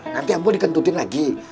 nanti aku dikentutin lagi